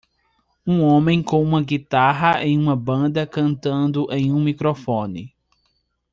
um homem com uma guitarra em uma banda cantando em um microfone